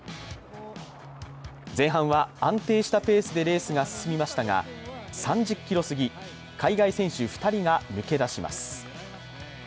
前半は安定したペースでレースが進みましたが、３０ｋｍすぎ、海外選手２人が抜け出します。